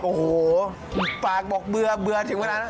โอ้โหฝากบอกเบื่อถึงเวลานั้น